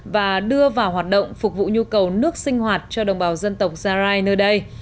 và đưa vào hoạt động phục vụ nhu cầu nước sinh hoạt cho đồng bào dân tộc gia rai nơi đây